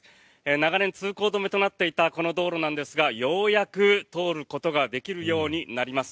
長年通行止めとなっていたこの道路なんですがようやく通ることができるようになります。